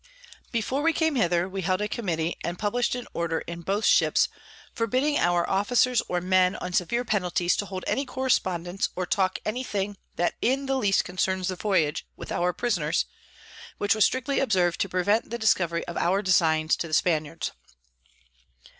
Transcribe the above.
Before we came hither, we held a Committee, and publish'd an Order in both Ships, forbidding our Officers or Men on severe Penalties to hold any Correspondence, or talk any thing that in the least concerns the Voyage, with our Prisoners; which was strictly observ'd, to prevent the Discovery of our Designs to the Spaniards.